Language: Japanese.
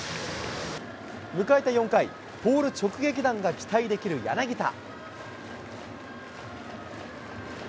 迎えた４回、ポール直撃弾が期待できる柳田。